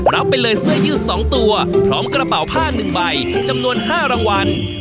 รับไปเลยเสื้อยืด๒ตัวพร้อมกระเป๋าผ้า๑ใบจำนวน๕รางวัล